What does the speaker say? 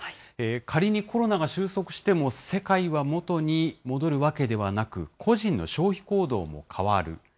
仮にコロナが収束しても、世界は元に戻るわけではなく、個人の消費行動も変わる。